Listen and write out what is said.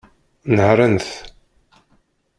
Nehṛent.